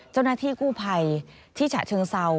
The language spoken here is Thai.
เจ้าหน้าที่กู้ภัยที่ฉะเชิงเซา